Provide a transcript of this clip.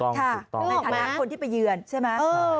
ในฐานะคนที่ไปเยือนใช่ไหม